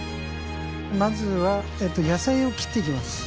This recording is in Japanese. まずは野菜を切っていきます。